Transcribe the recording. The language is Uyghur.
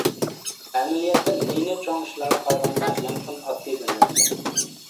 ئەمەلىيەتتە نى-نى چوڭ ئىشلارغا قارىغاندا، يانفون ئاددىي بىر نەرسە.